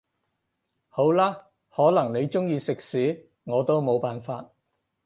好啦，可能你鍾意食屎我都冇辦法